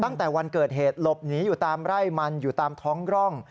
ตั้งแต่วันเกิดเหตุหลบหนีอยู่ตามไร่มันอยู่ตามท้องร่อง